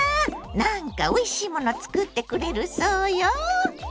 なんかおいしいもの作ってくれるそうよ！